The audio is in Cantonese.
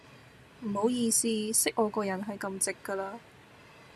唔好意思,識我個人係咁直架啦.